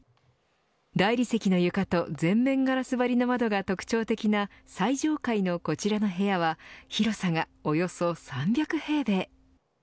大理石の床と、全面ガラス張りの窓が特徴的な最上階のこちらの部屋は広さがおよそ３００平米。